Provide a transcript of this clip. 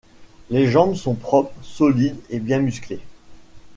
Les jambes sont propres, solides et bien musclées.